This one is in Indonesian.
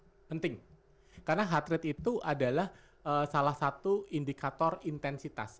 itu penting karena heart rate itu adalah salah satu indikator intensitas